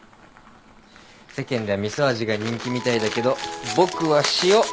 世間ではみそ味が人気みたいだけど僕は塩。